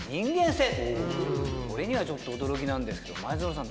これにはちょっと驚きなんですけど前園さん